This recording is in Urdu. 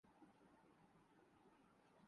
میں وہاں اپنی پیشانی رکھ دیتا ہوں۔